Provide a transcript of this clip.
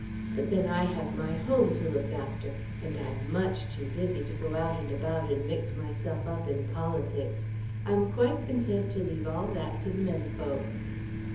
But then I have my home to look after, and I'm much too busy to go out and about and mix myself up in politics. I'm quite content to leave all that to the menfolk."